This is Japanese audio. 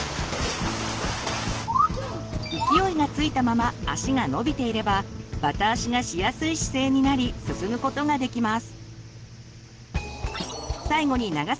勢いがついたまま足が伸びていればバタ足がしやすい姿勢になり進むことができます。